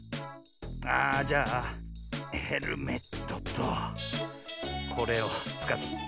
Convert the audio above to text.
ああじゃあヘルメットとこれをつかって。